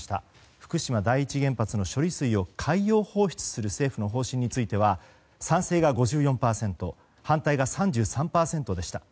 福島第一原発の処理水を海洋放出する政府の方針については賛成が５４％反対が３３％でした。